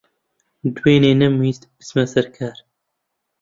دوێنێ نەمویست بچمە سەر کار.